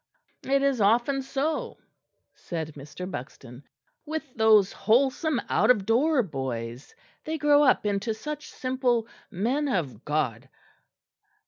"It is often so," said Mr. Buxton, "with those wholesome out of door boys; they grow up into such simple men of God."